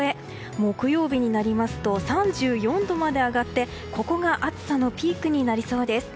木曜日になりますと３４度まで上がってここが暑さのピークになりそうです。